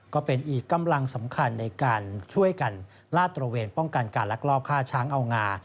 ก็เป็นอีกกำลังสำคัญในการช่วยกันลาดตระเวนป้องกันการลักลอบฆ่าช้างเอางา